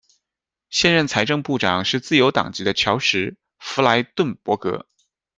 现任财政部长是自由党籍的乔什·富来顿伯格。